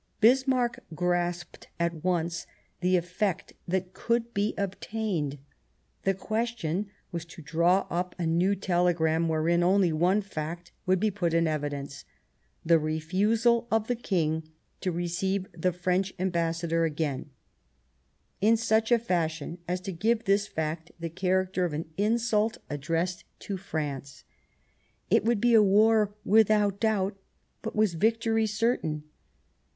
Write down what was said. Bismarck grasped at once the effect that could be obtained ; the question was to draw up a new telegram wherein only one fact would be put in evidence — the refusal of the King to receive the French Ambassador again — in such a fashion as to give this fact the character of an insult addressed to France. It would be war without doubt, but was victory certain